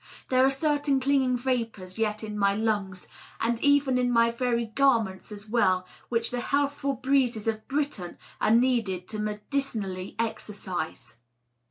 There are certain clinging vapors yet in my lungs, and even in my very garments as well, which the healthful breezes of Britain are needed to medicinally exorcise.